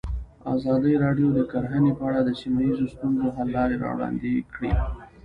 ازادي راډیو د کرهنه په اړه د سیمه ییزو ستونزو حل لارې راوړاندې کړې.